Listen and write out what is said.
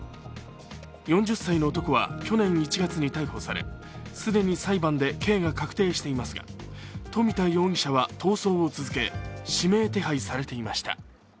４０歳の男は去年１月に逮捕され既に裁判で刑が確定していますが富田容疑者は逃走を続け、指名手配されていました。